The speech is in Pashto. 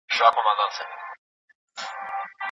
که په دروازو کي ښه چلند وسي، نو د میلمنو خاطر نه ازاریږي.